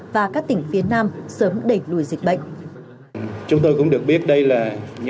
và các tỉnh phía nam sớm đẩy lùi dịch bệnh